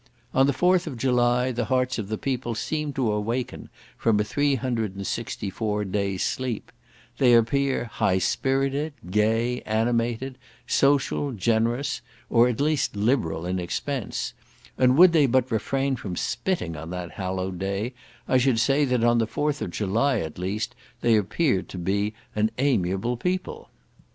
On the 4th of July the hearts of the people seem to awaken from a three hundred and sixty four days' sleep; they appear high spirited, gay, animated, social, generous, or at least liberal in expense; and would they but refrain from spitting on that hallowed day, I should say, that on the 4th of July, at least, they appeared to be an amiable people.